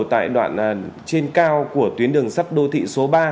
tại đoạn trên cao của tuyến đường sắt đô thị số ba